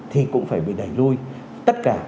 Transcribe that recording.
thì cũng phải đẩy lùi tất cả